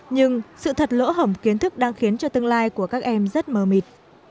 nhưng sự thật lỗ hổng kiến thức đang khiến cho tương lai của các em rất mờ mịt